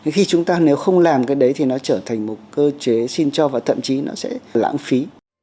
khi chúng ta nếu không làm cái đấy thì nó trở thành một cơ chế xin cho và thậm chí nó sẽ lãng phí